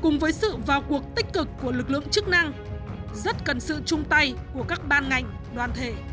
cùng với sự vào cuộc tích cực của lực lượng chức năng rất cần sự chung tay của các ban ngành đoàn thể